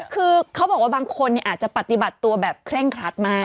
คือเขาบอกว่าบางคนอาจจะปฏิบัติตัวแบบเคร่งครัดมาก